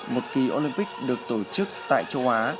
một kỳ olympic được tổ chức tại châu á